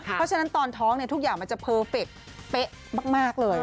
เพราะฉะนั้นตอนท้องเนี่ยทุกอย่างมันจะเพอเฟ็กต์เบ๊ะมากเลย